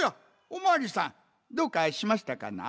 おまわりさんどうかしましたかな？